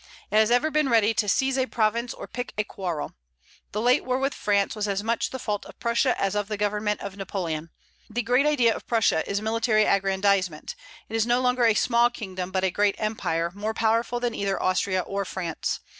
It has ever been ready to seize a province or pick a quarrel. The late war with France was as much the fault of Prussia as of the government of Napoleon. The great idea of Prussia is military aggrandizement; it is no longer a small kingdom, but a great empire, more powerful than either Austria or France.